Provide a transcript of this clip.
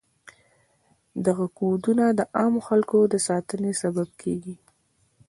دغه کودونه د عامو خلکو د ساتنې سبب کیږي.